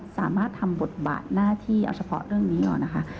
สามารถทำบทบาทหน้าที่เอาเฉพาะเรื่องนี้ก่อนนะคะ